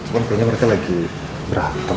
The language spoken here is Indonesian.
kayanya mereka lagi berantem